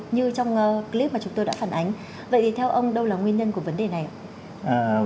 như trong clip mà chúng tôi đã phản ánh vậy theo ông đâu là nguyên nhân của vấn đề này ạ